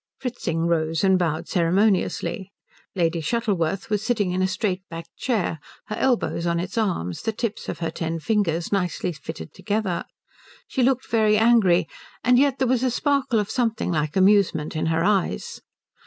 Fritzing rose and bowed ceremoniously. Lady Shuttleworth was sitting in a straight backed chair, her elbows on its arms, the tips of her ten fingers nicely fitted together. She looked very angry, and yet there was a sparkle of something like amusement in her eyes.